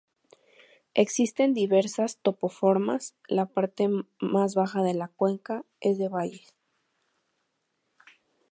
Existen diversas topoformas, la parte más baja de la cuenca, es de valles.